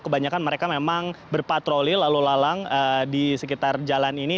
kebanyakan mereka memang berpatroli lalu lalang di sekitar jalan ini